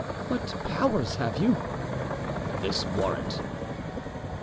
"What powers have you?" "This warrant."